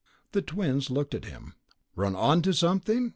The twins looked at him. "Run onto something?"